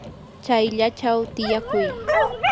chayllachaw tiyakuy.